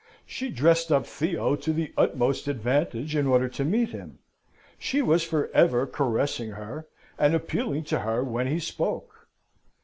She dressed up Theo to the utmost advantage in order to meet him; she was for ever caressing her, and appealing to her when he spoke.